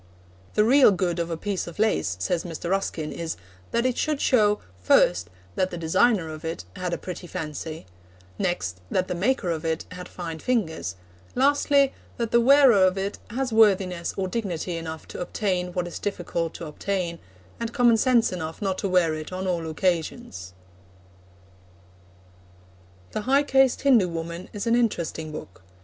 The real good of a piece of lace, says Mr. Ruskin, is 'that it should show, first, that the designer of it had a pretty fancy; next, that the maker of it had fine fingers; lastly, that the wearer of it has worthiness or dignity enough to obtain what is difficult to obtain, and common sense enough not to wear it on all occasions.' The High Caste Hindu Woman is an interesting book.